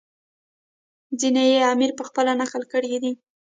ځینې یې امیر پخپله نقل کړي دي.